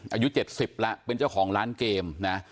อายุ๗๐แล้วเป็นเจ้าของร้านเกมนะ